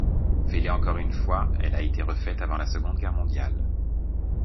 Fêlée encore une fois, elle a été refaite avant la Seconde Guerre mondiale.